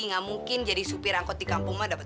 nggak mungkin jadi supir angkot di kampung mah dapat